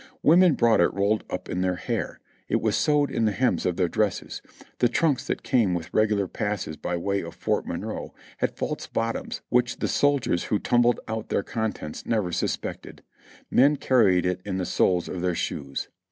Women brought it rolled up in their hair; it was sewed in the hems of their dresses; the trunks that came with regular passes by way of Fortress Monroe had false bottoms which the soldiers who tumbled out their con tents never suspected ; men carried it in the soles of their shoes.